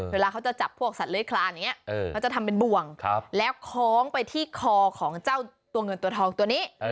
เวลาเขาจะจับพวกสัตว์เลื้อยคลานอย่างนี้เขาจะทำเป็นบ่วงแล้วคล้องไปที่คอของเจ้าตัวเงินตัวทองตัวนี้